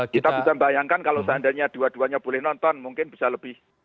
kita bisa bayangkan kalau seandainya dua duanya boleh nonton mungkin bisa lebih